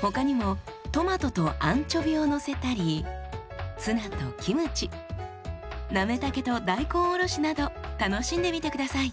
他にもトマトとアンチョビをのせたりツナとキムチなめたけと大根おろしなど楽しんでみて下さい。